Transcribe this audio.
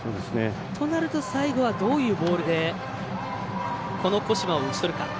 となると最後はどういうボールでこの後間を打ち取るか。